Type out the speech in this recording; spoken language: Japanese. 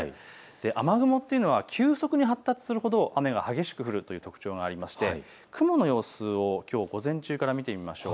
雨雲というのは急速に発達するほど雨が激しく降るという特徴がありまして雲の様子をきょう午前中から見てみましょう。